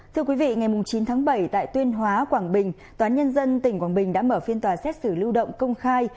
thưa quý vị ngày chín tháng bảy tại tuyên hóa quảng bình tòa nhân dân tỉnh quảng bình đã mở phiên tòa xét xử lưu động công khai